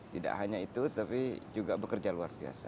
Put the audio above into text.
tidak hanya itu tapi juga bekerja luar biasa